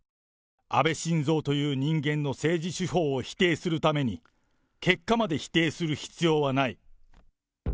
安倍晋三という人間の政治手法を否定するために、結果まで否定する必要はない。